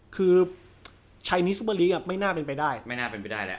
คือชัยนิสซุปเปอร์ลีกไม่น่าเป็นไปได้ไม่น่าเป็นไปได้แล้ว